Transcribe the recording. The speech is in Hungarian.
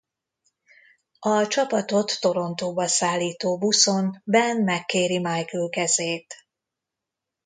A csapatot Torontóba szállító buszon Ben megkéri Michael kezét.